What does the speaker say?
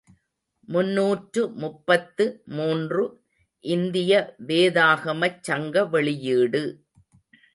முன்னூற்று முப்பத்து மூன்று, இந்திய வேதாகமச் சங்க வெளியீடு.